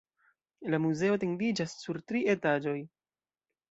La muzeo etendiĝas sur tri etaĝoj.